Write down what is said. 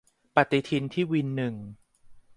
ปฏิทินที่วินหนึ่ง